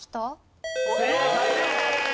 正解です。